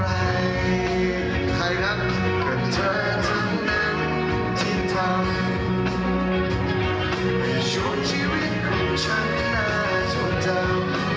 ถ้ารักกันเธอทั้งนั้นที่ทำเป็นช่วงชีวิตของฉันน่าจบเติบ